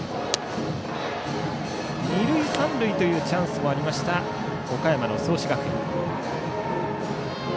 二塁三塁というチャンスもありました岡山の創志学園。